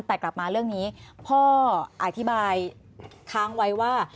แต่กลับมาเรื่องนี้พ่ออธิบายค้างไว้ว่า